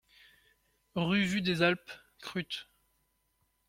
Rue Vue des Alpes, Kruth